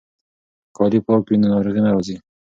که کالي پاک وي نو ناروغي نه راځي.